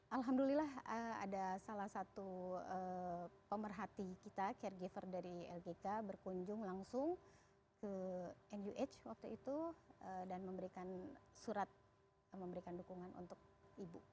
alhamdulillah ada salah satu pemerhati kita caregiver dari lgk berkunjung langsung ke nuh waktu itu dan memberikan surat memberikan dukungan untuk ibu